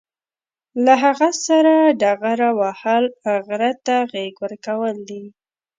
له هغه سره ډغره وهل، غره ته غېږ ورکول دي.